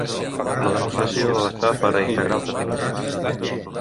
La demostració es fa per a integrals definides.